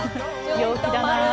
陽気だな。